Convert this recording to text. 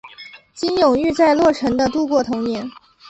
金永玉在洛城的度过童年。